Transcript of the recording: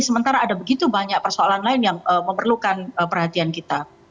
sementara ada begitu banyak persoalan lain yang memerlukan perhatian kita